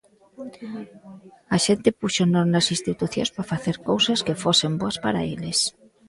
A xente púxonos nas institucións para facer cousas que fosen boas para eles.